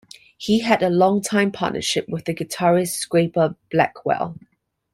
He had a longtime partnership with the guitarist Scrapper Blackwell.